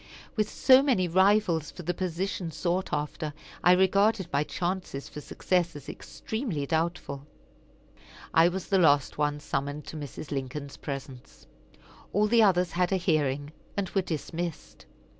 With so many rivals for the position sought after, I regarded my chances for success as extremely doubtful. I was the last one summoned to Mrs. Lincoln's presence. All the others had a hearing, and were dismissed.